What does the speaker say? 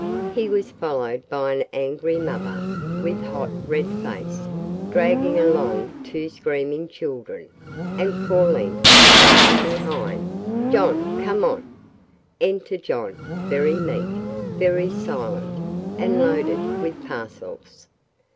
He was followed by an angry mother, with hot red face, dragging along two screaming children, and calling, to some one behind, "John! Come on!" Enter John, very meek, very silent, and loaded with parcels.